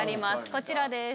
こちらです。